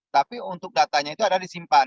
tapi untuk datanya itu adalah disimpan